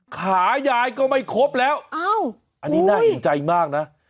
ขายายก็ไม่ครบแล้วอันนี้น่าเห็นใจมากนะ